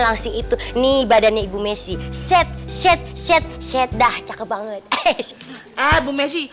langsung itu nih badannya ibu messi set set set set dah cakep banget eh bu messi